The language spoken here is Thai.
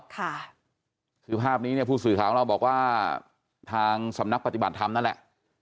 ค่ะคือภาพนี้เนี่ยผู้สื่อข่าวของเราบอกว่าทางสำนักปฏิบัติธรรมนั่นแหละ